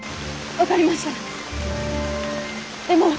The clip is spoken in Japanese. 分かりましたでも。